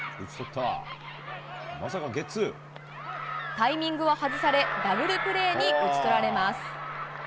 タイミングを外されダブルプレーに打ち取られます。